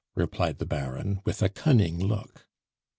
replied the Baron with a cunning look.